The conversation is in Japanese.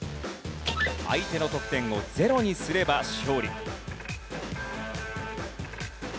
相手の得点をゼロにすれば勝利。